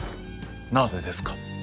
「なぜですか？」。